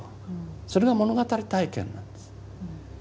それが物語体験なんです。